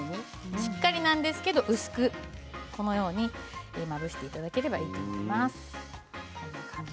しっかりなんですが薄くまぶしていただければいいと思います。